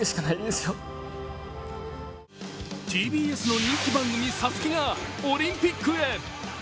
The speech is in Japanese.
ＴＢＳの人気番組「ＳＡＳＵＫＥ」がオリンピックへ。